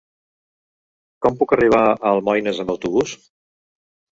Com puc arribar a Almoines amb autobús?